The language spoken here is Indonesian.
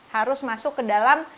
harus masuk ke dalam